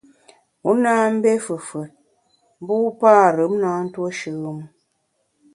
Wu na mbé fefùet, mbu parùm na ntuo shùm u.